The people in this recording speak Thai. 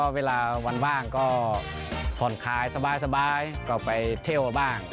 เวลาวันว่างก็ผ่อนคลายสบายก็ไปเที่ยวบ้าง